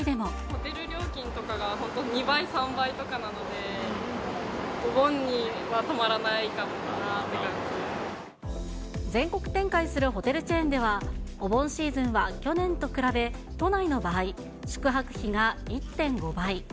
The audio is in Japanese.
ホテル料金とかが、本当２倍、３倍とかなので、全国展開するホテルチェーンでは、お盆シーズンは去年と比べ都内の場合、宿泊費が１．５倍。